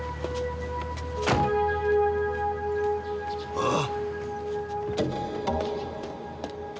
ああ？